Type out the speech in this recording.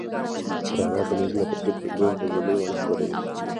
آریانا تلویزیون دکرکټ لوبې به ژوندۍ بڼه خپروي